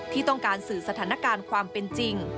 ที่ต้องการสื่อสถานการณ์ความเป็นจริง